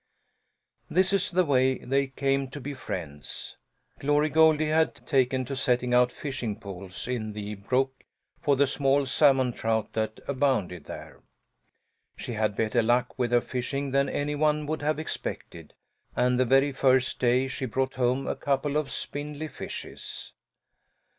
This is the way they came to be friends: Glory Goldie had taken to setting out fishing poles in the brook for the small salmon trout that abounded there. She had better luck with her fishing than any one would have expected, and the very first day she brought home a couple of spindly fishes.